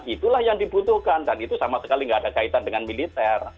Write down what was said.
itulah yang dibutuhkan dan itu sama sekali nggak ada kaitan dengan militer